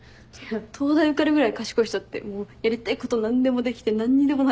東大受かるぐらい賢い人ってやりたいこと何でもできて何にでもなれるんだと思ってた。